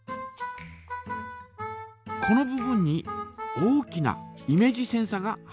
この部分に大きなイメージセンサが入っています。